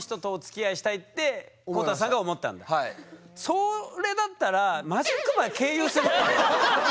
それだったらマジックバー経由するってね。